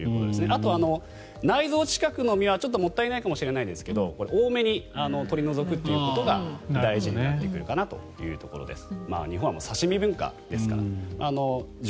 あと、内臓近くの身はちょっともったいないかもしれないですが多めに取り除くということが大事になってくるのかなというところです。